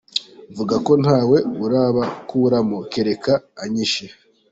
Mvuga ko ntawe urabakuramo kereka anyishe.